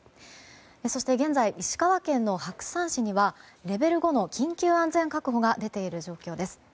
そして現在、石川県白山市にはレベル５の緊急安全確保が出ている状況です。